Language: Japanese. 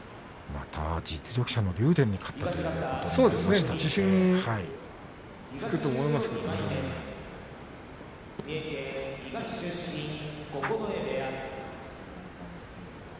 また実力者の竜電に勝ったということが自信に。